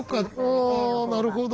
あなるほど。